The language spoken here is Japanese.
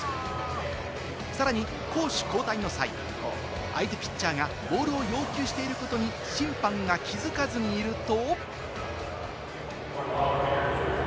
さらに攻守交代の際、相手ピッチャーがボールを要求していることに審判が気づかずにいると。